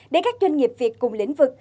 để các doanh nghiệp việt cùng lĩnh vực